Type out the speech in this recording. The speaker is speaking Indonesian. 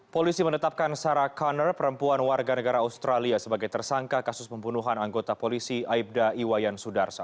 polisi menetapkan sarah connor perempuan warga negara australia sebagai tersangka kasus pembunuhan anggota polisi aibda iwayan sudarsa